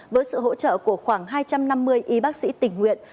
với sự hỗ trợ của khoảng hai trăm năm mươi y bác sĩ tỉnh nguyện